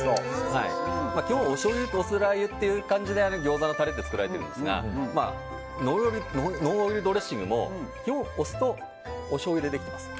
基本おしょうゆとお酢ラー油という感じでギョーザのタレって作られているんですがノンオイルドレッシングも基本、お酢とおしょうゆでできています。